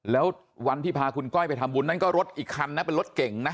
แล้ววันที่พาคุณก้อยไปทำบุญนั้นก็รถอีกคันนะเป็นรถเก่งนะ